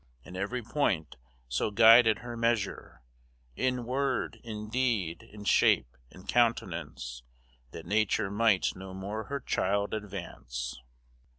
In every point so guided her measure, In word, in deed, in shape, in countenance, That nature might no more her child advance.